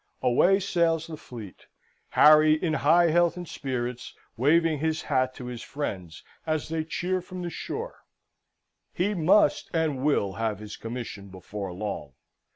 Away sails the fleet, Harry, in high health and spirits, waving his hat to his friends as they cheer from the shore. He must and will have his commission before long.